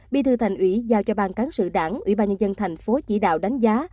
bí thư thành ủy giao cho ban cán sự đảng ủy ban nhân dân thành phố chỉ đạo đánh giá